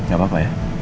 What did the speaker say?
gak apa apa ya